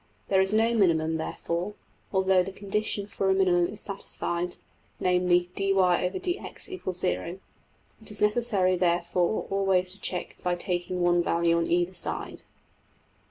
There is no minimum, therefore, although the condition for a minimum is satisfied, namely $\dfrac{dy}{dx} = 0$. It is necessary therefore always to check by taking one value on either side.